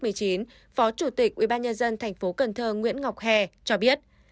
phó chủ tịch ubnd tp cần thơ nguyễn ngọc hè cho biết